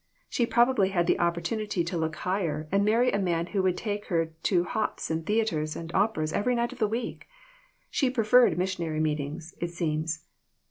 She probably had the opportunity to look higher, and marry a man who would take her to hops and theatres and operas, every night in the week. She preferred missionary meetings, it seems."